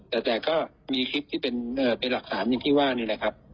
แต่ก็มีคลิปที่เป็นหลักฐานอย่างที่ว่านี่แหละครับ